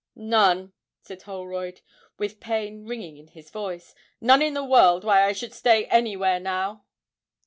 'None,' said Holroyd, with pain ringing in his voice, 'none in the world why I should stay anywhere now.'